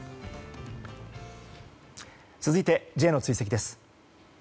続いてＪの追跡です。